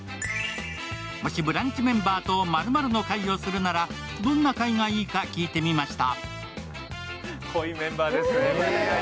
もし、「ブランチ」メンバーと「○○の会」をするならどんな会がいいか聞いてみました。